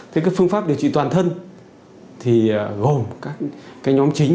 thế cái phương pháp điều trị toàn thân thì gồm các cái nhóm chính